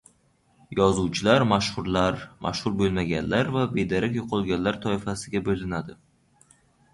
— Yozuvchilar mashhurlar, mashhur bo‘lmaganlar va bedarak yo‘qolganlar toifasiga bo‘linadi.